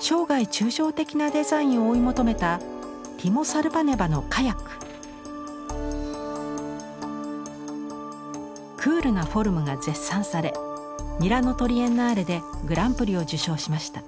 生涯抽象的なデザインを追い求めたクールなフォルムが絶賛されミラノ・トリエンナーレでグランプリを受賞しました。